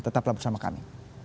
tetaplah bersama kami